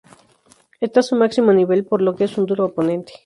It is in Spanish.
Está a su máximo nivel, por lo que es un duro oponente.